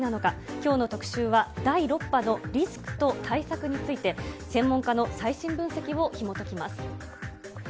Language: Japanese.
きょうの特シューは第６波のリスクと対策について、専門家の最新分析をひもときます。